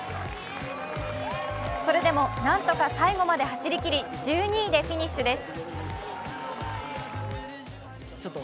それでも何とか最後まで走りきり、１２位でフィニッシュです。